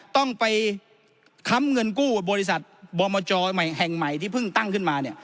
ต้องไปค้ำเงินกู้บริษัทบอมจแห่งใหม่ที่เพิ่งตั้งขึ้นมาเนี่ย